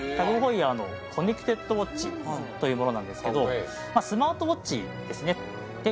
ＴＡＧＨｅｕｅｒのコネクテッドウォッチというものなんですけどまあスマートウォッチですねで